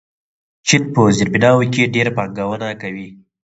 چین په زیربناوو کې ډېره پانګونه کوي.